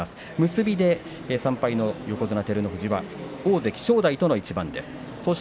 結びで横綱照ノ富士が大関正代との対戦です。